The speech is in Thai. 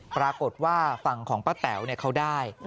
ปรากฏว่าฝั่งของป้าแต๋วเขาได้